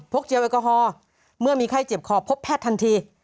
เจลแอลกอฮอล์เมื่อมีไข้เจ็บคอพบแพทย์ทันที